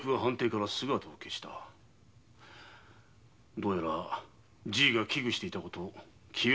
どうやらじいが危ぐしていた事き憂